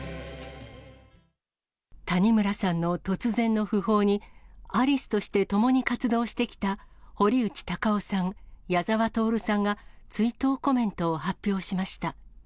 谷村さんの突然の訃報に、アリスとして共に活動してきた堀内孝雄さん、矢澤透さんが、追悼コメントを発表しました。